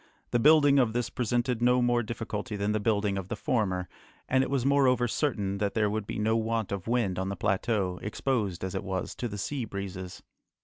The building of this presented no more difficulty than the building of the former, and it was moreover certain that there would be no want of wind on the plateau, exposed as it was to the sea breezes.